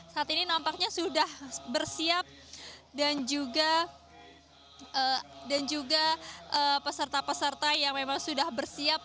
saat ini nampaknya sudah bersiap dan juga peserta peserta yang memang sudah bersiap